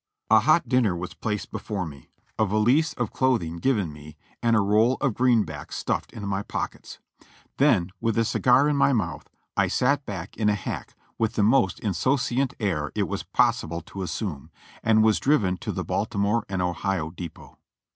A hot dinner was placed before me, a valise of clothing given THE FIRST ESCAPE 4^3 me and a roll of greenbacks stuffed into my pockets; then, with a cigar in my month. I sat back in a hack with the most insouciant air it was possible to assume, and was driven to the Baltimore and Ohio Depot.